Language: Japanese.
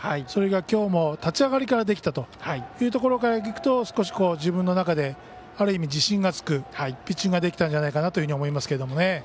それがきょうも立ち上がりからできたというところからいくと少し自分の中である意味自信がつくピッチングができたんじゃないかなと思いますけれどもね。